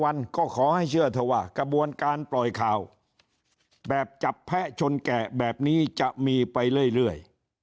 วันก็ขอให้เชื่อเถอะว่ากระบวนการปล่อยข่าวแบบจับแพะชนแกะแบบนี้จะมีไปเรื่อย